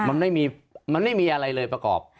มันไม่มีอะไรเลยประกอบ